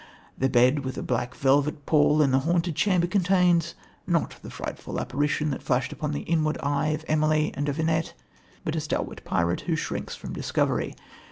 The bed with the black velvet pall in the haunted chamber contains, not the frightful apparition that flashed upon the inward eye of Emily and of Annette, but a stalwart pirate who shrinks from discovery.